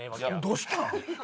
どうしたん？